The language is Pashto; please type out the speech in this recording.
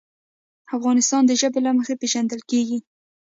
افغانستان د ژبې له مخې پېژندل کېږي.